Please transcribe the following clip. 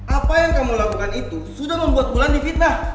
apa yang kamu lakukan itu sudah membuat pulan di fitnah